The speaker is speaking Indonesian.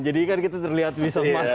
jadi kan kita terlihat bisa masak